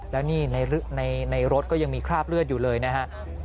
แล้วนี่ในรถก็ยังมีคราบเลือดอยู่เลยนะฮะ